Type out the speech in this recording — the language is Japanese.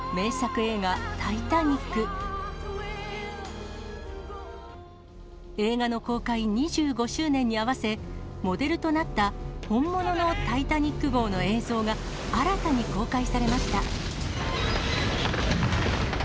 映画の公開２５周年に合わせ、モデルとなった本物のタイタニック号の映像が、新たに公開されました。